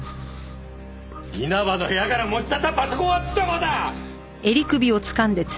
稲葉の部屋から持ち去ったパソコンはどこだ！？